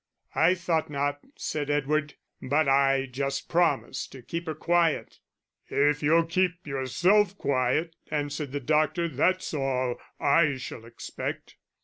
"I thought not," said Edward, "but I just promised, to keep her quiet." "If you'll keep yourself quiet," answered the doctor, "that's all I shall expect."